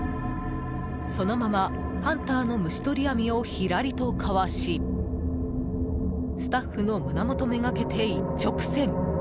そのまま、ハンターの虫取り網をひらりとかわしスタッフの胸元めがけて一直線。